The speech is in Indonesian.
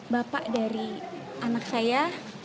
bapak dari anak saya